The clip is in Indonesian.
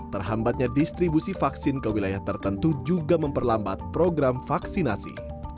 terhambatnya distribusi vaksin ke wilayah tertentu juga memperlambat program vaksinasi